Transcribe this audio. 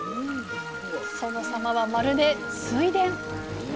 その様はまるで水田。